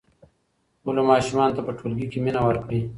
خپلو ماشومانو ته په ټولګي کې مینه ورکړئ.